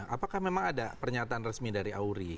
apakah memang ada pernyataan resmi dari auri